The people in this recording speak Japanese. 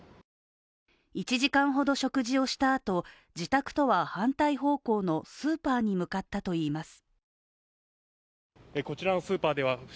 １時間ほど食事をしたあと自宅とは反対方向のスーパーに向かったといいます。